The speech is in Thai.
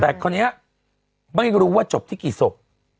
แต่คนนี้บางทีก็รู้ว่าจบที่กี่ศพ